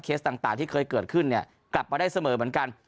ต่างที่เคยเกิดขึ้นเนี่ยกลับมาได้เสมอเหมือนกัน